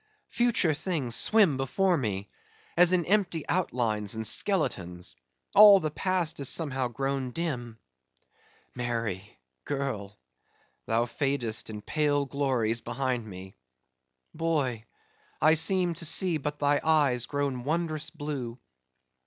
Future things swim before me, as in empty outlines and skeletons; all the past is somehow grown dim. Mary, girl! thou fadest in pale glories behind me; boy! I seem to see but thy eyes grown wondrous blue.